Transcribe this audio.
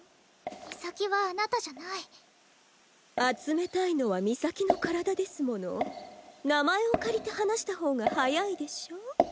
ミサキはあなたじゃない集めたいのはミサキの体ですもの名前を借りて話したほうが早いでしょ？